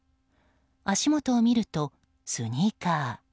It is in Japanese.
足元を見ると、スニーカー。